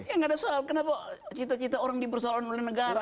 ya nggak ada soal kenapa cita cita orang dipersoalkan oleh negara